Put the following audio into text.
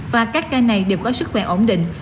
và các ca này đều có sức khỏe ổn định